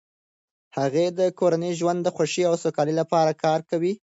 هغې د کورني ژوند د خوښۍ او سولې لپاره کار کوي.